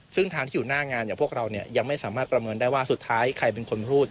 ซึ่งทางที่อยู่หน้างานอย่างพวกเราเนี่ยยังไม่สามารถประเมินได้ว่าสุดท้ายใครเป็นคนพูด